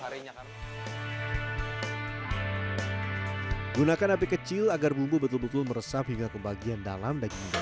harinya kan gunakan api kecil agar bumbu betul betul meresap hingga ke bagian dalam daging dan